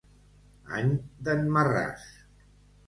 Any d'en Marràs.